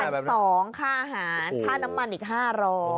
ค่าอาหารค่าน้ำมันอีก๕๐๐บาท